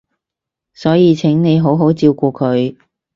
所以請你好好照顧佢